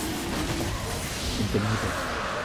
Claro, non ten nin idea.